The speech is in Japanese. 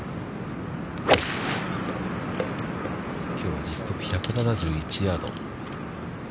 きょうは実測１７１ヤード。